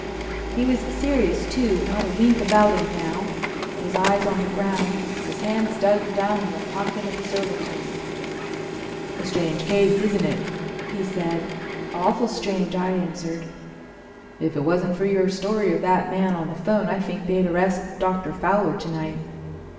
He was serious too, not a wink about him now, his eyes on the ground, his hands dug down in the pockets of his overcoat. "A strange case, isn't it?" he said. "Awful strange," I answered. "If it wasn't for your story of that man on the 'phone I think they'd arrest Dr. Fowler to night."